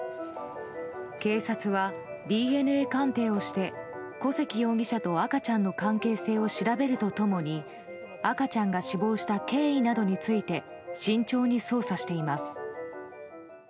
警察はＤＮＡ鑑定をして小関容疑者と赤ちゃんの関係性を調べると共に赤ちゃんが死亡した経緯などについて慎重に捜査しています。